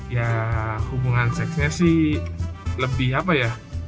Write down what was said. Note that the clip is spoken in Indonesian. ya hubungan seksnya sih lebih apa ya